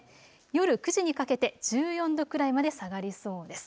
夜９時にかけて１４度くらいまで下がりそうです。